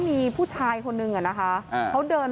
มีผู้ชายคนหนึ่งอ่ะนะคะเอ่อเขาเดิน